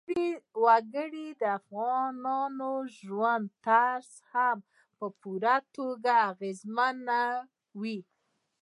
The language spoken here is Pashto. وګړي د افغانانو د ژوند طرز هم په پوره توګه اغېزمنوي.